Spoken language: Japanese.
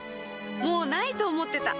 もう無いと思ってた